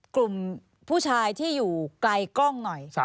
กลุ่มผู้ชายที่อยู่ไกลกล้องหน่อย